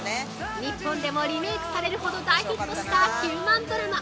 日本でも、リメイクされるほど大ヒットしたヒューマンドラマ。